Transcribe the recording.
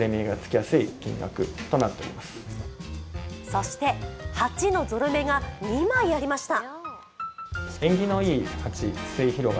そして８のゾロ目が２枚ありました。